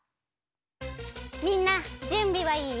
みんなじゅんびはいい？